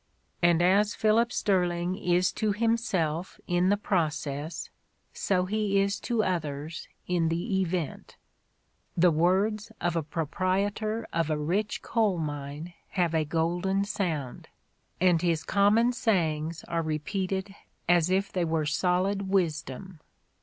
And as Philip Sterling is to himself in the process, so he is to others in the event :'' The words of a proprietor of a rich coal mine have a golden sound, and his common sayings are repeated as if they were solid wisdom."